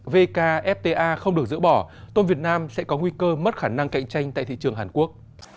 vkfta không được dỡ bỏ tôm việt nam sẽ có nguy cơ mất khả năng cạnh tranh tại thị trường hàn quốc